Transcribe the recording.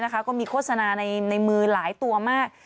ก็มีโฆษณาในมือหลายตัวมาก